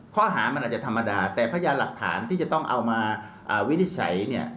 ข้อหามันอาจจะธรรมดาแต่พยานหลักฐานที่จะต้องเอามาวินิจฉัยเนี่ย